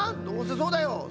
どうせそうだよ。